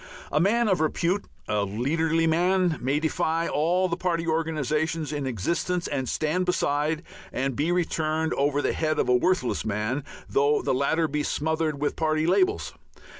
A man of repute, a leaderly man, may defy all the party organizations in existence and stand beside and be returned over the head of a worthless man, though the latter be smothered with party labels.